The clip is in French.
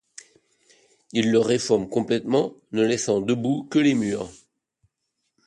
Il le réforme complètement ne laissant debout que les murs.